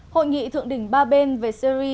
hội nghị thượng đỉnh ba bên về syri